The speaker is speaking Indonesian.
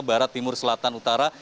barat timur selatan utara